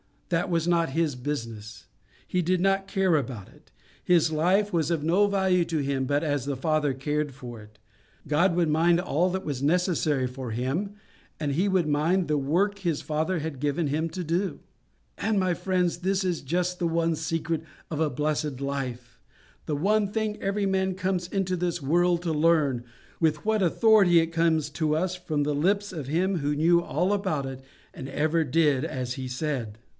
That was not his business. He did not care about it. His life was of no value to Him but as His Father cared for it. God would mind all that was necessary for Him, and He would mind the work His Father had given Him to do. And, my friends, this is just the one secret of a blessed life, the one thing every man comes into this world to learn. With what authority it comes to us from the lips of Him who knew all about it, and ever did as He said!